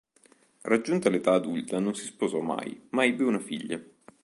Raggiunta l'età adulta non si sposò mai ma ebbe una figlia.